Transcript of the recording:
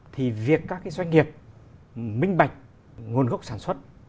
thì việc các cái doanh nghiệp minh bạch nguồn gốc sản xuất